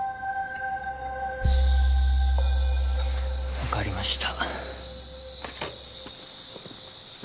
分かりました